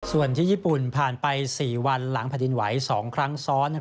ส่วนที่ญี่ปุ่นผ่านไป๔วันหลังแผ่นดินไหว๒ครั้งซ้อน